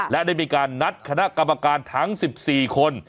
และได้มีการนัดคณะกรรมการทั้ง๑๔คน